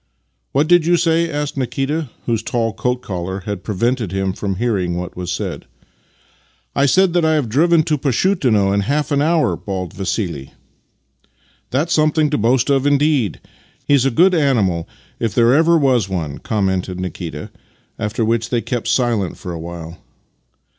" What did you say? " asked Nikita, whose tall coat collar had prevented him from hearing what was said. " I said that I have driven to Pashutino in half an hour," bawled Vassili. " That's something to boast of indeed! He's a good animal if ever there was one! " commented Nikita, after which they kept silence for a while.